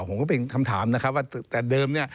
ผมก็เป็นคำถามนะครับว่าแต่เดิมเนี่ย